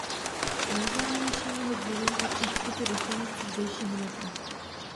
K nejznámějším jeho dílům patří vstupy do stanic zdejšího metra.